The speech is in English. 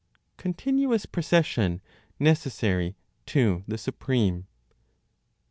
CONTINUOUS PROCESSION NECESSARY TO THE SUPREME. 6.